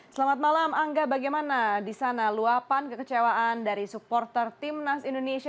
selamat malam angga bagaimana di sana luapan kekecewaan dari supporter timnas indonesia